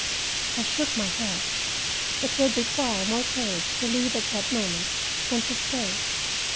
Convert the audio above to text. I shook my head. It would require more courage to leave at that moment than to stay.